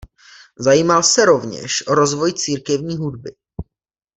Zajímal se rovněž o rozvoj církevní hudby.